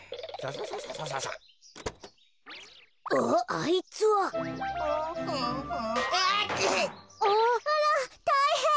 あらたいへん！